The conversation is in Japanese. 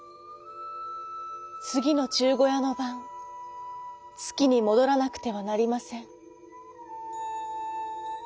つぎのじゅうごやのばんつきにもどらなくてはなりません」。